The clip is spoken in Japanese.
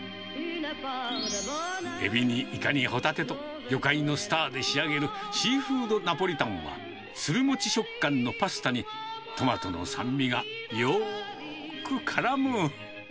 エビにイカにホタテと、魚介のスターで仕上げるシーフードナポリタンは、つるもち食感のパスタにトマトの酸味がよーく絡む。